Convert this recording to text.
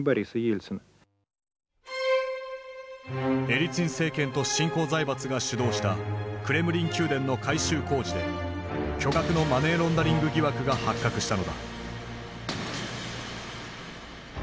エリツィン政権と新興財閥が主導したクレムリン宮殿の改修工事で巨額のマネーロンダリング疑惑が発覚したのだ。